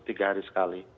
buat tiga hari sekali